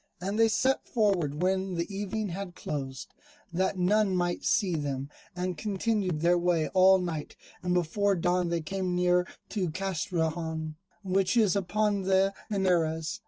And they set forward when the evening had closed, that none might see them, and continued their way all night, and before dawn they came near to Castrejon, which is upon the Henares.